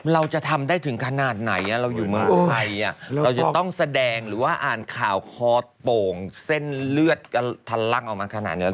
เราจะทำได้ถึงขนาดไหนเราอยู่เมืองไทยเราจะต้องแสดงหรือว่าอ่านข่าวคอโป่งเส้นเลือดทันลังออกมาขนาดนี้